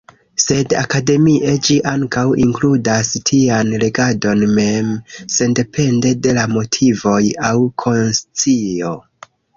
Sed akademie, ĝi ankaŭ inkludas tian regadon mem, sendepende de la motivoj aŭ konscio.